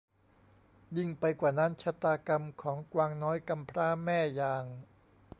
ยิ่งไปกว่านั้นชะตากรรมของกวางน้อยกำพร้าแม่อย่าง